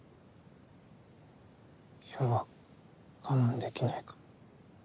今日は我慢できないかも。